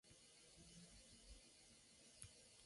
Garner nació en Birkenhead, Inglaterra.